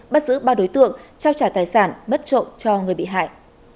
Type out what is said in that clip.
bắt giữ ba đối tượng trao trả tài sản bất trộm cho người bị hại